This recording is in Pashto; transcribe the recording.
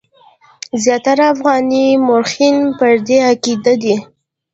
زیاتره افغاني مورخین پر دې عقیده دي.